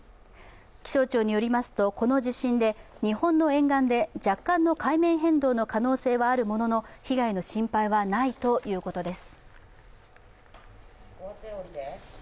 気象庁によりますとこの地震で日本の沿岸で若干の海面変動の可能性はあるものの、被害の心配はないということです。